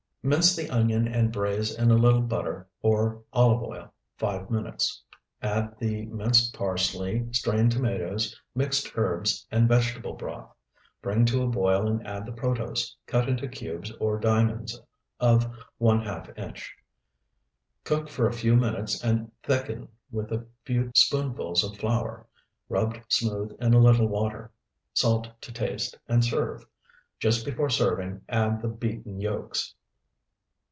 Mince the onion and braize in a little butter or olive oil five minutes; add the minced parsley strained tomatoes, mixed herbs, and vegetable broth. Bring to a boil and add the protose, cut into cubes or diamonds of one half inch. Cook for a few minutes and thicken with a few spoonfuls of flour rubbed smooth in a little water. Salt to taste, and serve. Just before serving add the beaten yolks.